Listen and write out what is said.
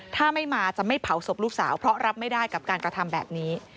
ถ้าไม่มาจะไม่เผาศพลูกสาวเพราะรับไม่ได้กับการกระทำแบบนี้